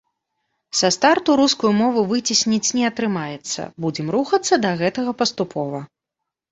Са старту рускую мову выцесніць не атрымаецца, будзем рухацца да гэтага паступова.